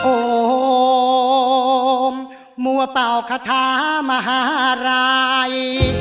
โอมมัวเต่าคาถามหาราย